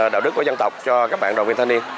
đạo đức của dân tộc cho các bạn đoàn viên thanh niên